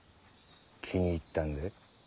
気に入ったんで。